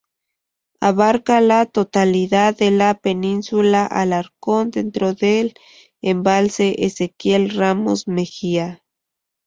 Abarca la totalidad de la península Alarcón, dentro del Embalse Ezequiel Ramos Mexía.